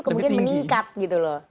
kemudian meningkat gitu loh